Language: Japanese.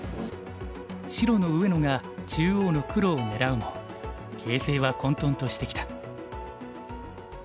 白の上野が中央の黒を狙うも形勢は混とんとしてきた。